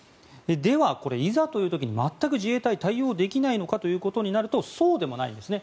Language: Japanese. では、いざという時に全く自衛隊は対応できないのかというとそうでもないんですね。